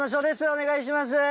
お願いします。